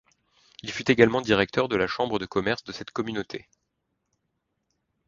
Il fut également directeur de la Chambre de commerce de cette communauté.